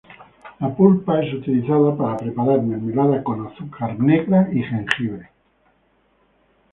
La pulpa es utilizada para preparar mermelada con azúcar negra y jengibre.